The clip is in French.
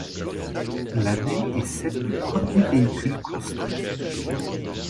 L'année est celle du premier véhicule construit.